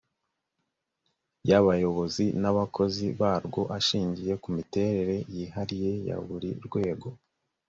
y abayobozi n abakozi barwo ashingiye ku miterere yihariye ya buri rwego